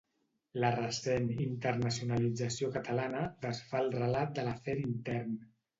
La recent internacionalització catalana desfà el relat de l'afer intern.